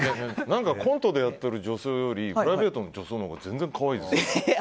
何かコントでやってる女装よりプライベートの女装のほうが可愛い。